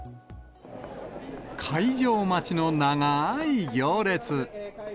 開場待ちの長ーい行列。